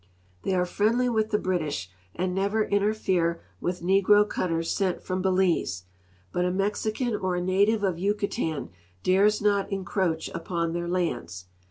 They are friendly with the British and never interfere with negro cutters sent from Belize, but a 5Iexican or a native of Yucatan dares not encroach upon their lands.